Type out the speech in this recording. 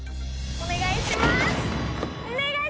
お願いします！